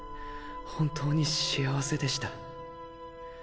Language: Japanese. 本当に幸せでした。